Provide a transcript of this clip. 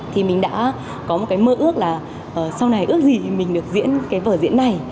thì mình đã có một mơ ước là sau này ước gì mình được diễn vở diễn này